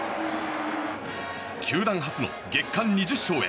球団初の月間２０勝へ。